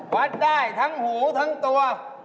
วัดได้ทั้งหูทั้งตัว